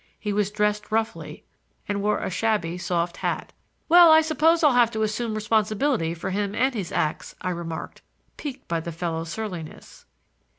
He was dressed roughly and wore a shabby soft hat. "Well, I suppose I'll have to assume responsibility for him and his acts," I remarked, piqued by the fellow's surliness.